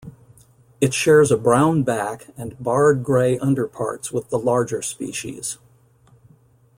It shares a brown back and barred grey underparts with the larger species.